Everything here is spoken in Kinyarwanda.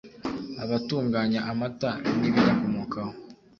abatunganya amata n’ibiyakomokaho